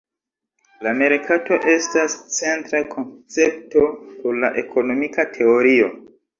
La merkato estas centra koncepto por la ekonomika teorio.